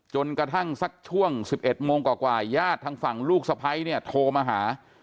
กระทั่งสักช่วง๑๑โมงกว่าญาติทางฝั่งลูกสะพ้ายเนี่ยโทรมาหา